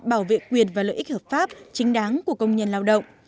bảo vệ quyền và lợi ích hợp pháp chính đáng của công nhân lao động